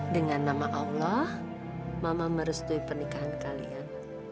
dengan nama allah mama merestui pernikahan kalian